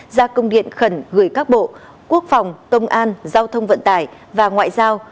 ra công điện khẩn gửi các bộ quốc phòng công an giao thông vận tải và ngoại giao